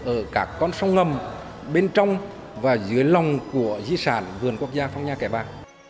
ở các con sông ngầm bên trong và dưới lòng của di sản vườn quốc gia phong nha kẻ bà